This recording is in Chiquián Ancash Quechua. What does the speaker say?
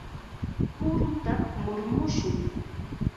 ¡Puruta murumushun!